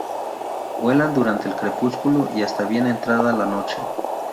Vuelan durante el crepúsculo y hasta bien entrada la noche.